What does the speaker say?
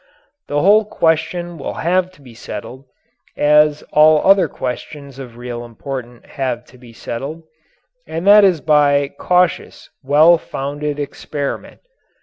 The whole question will have to be settled as all other questions of real importance have to be settled, and that is by cautious, well founded experiment.